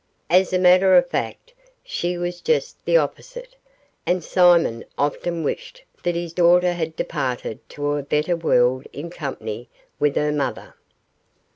As a matter of fact, she was just the opposite, and Simon often wished that his daughter had departed to a better world in company with her mother.